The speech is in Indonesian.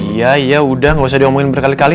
iya iya udah gak usah diomongin berkali kali